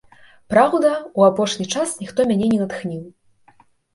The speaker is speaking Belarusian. Праўда, у апошні час ніхто мяне не натхніў.